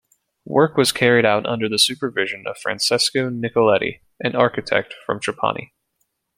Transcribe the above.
Work was carried out under the supervision of Francesco Nicoletti, an architect from Trapani.